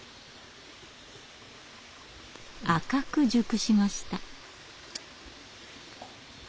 赤く熟しました。